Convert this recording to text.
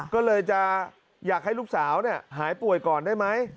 ก็เลยจะอยากให้ลูกสาวหายป่วยก่อนได้ไหม